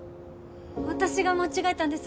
私が間違えたんです。